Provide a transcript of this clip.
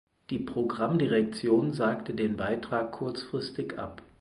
Die Programmdirektion sagte den Beitrag kurzfristig ab.